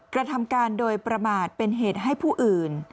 กระทำการโดยประมาทเป็นเหตุให้ผู้อื่น